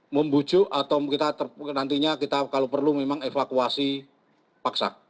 membujuk atau kita nantinya kita kalau perlu memang evakuasi paksa